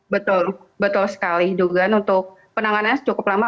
betul betul sekali dugaan untuk penanganannya cukup lama